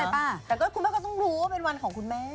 แต่คุณแม่ก็ต้องรู้ว่าเป็นวันของคุณแม่